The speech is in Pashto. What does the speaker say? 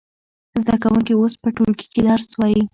زده کوونکي اوس په ټولګي کې درس وايي.